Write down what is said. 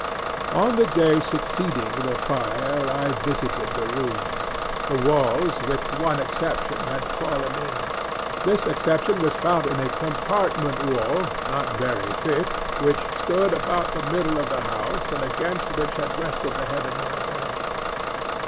On the day succeeding the fire, I visited the ruins. The walls, with one exception, had fallen in. This exception was found in a compartment wall, not very thick, which stood about the middle of the house, and against which had rested the head of my bed.